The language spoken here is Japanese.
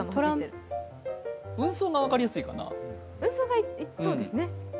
運送が分かりやすいかな。